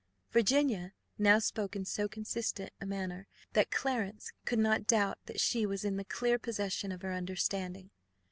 Virginia now spoke in so consistent a manner that Clarence could not doubt that she was in the clear possession of her understanding.